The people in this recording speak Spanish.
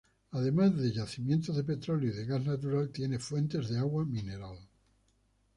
Además de yacimientos de petróleo y de gas natural tiene fuentes de agua mineral.